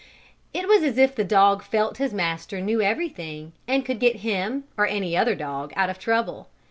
It was as if the dog felt its master knew everything, and could get him, or any other dog, out of trouble.